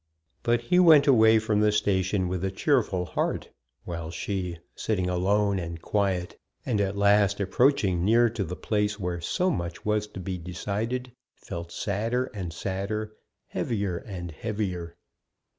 But he went away from the station with a cheerful heart; while she, sitting alone and quiet, and at last approaching near to the place where so much was to be decided, felt sadder and sadder, heavier and heavier.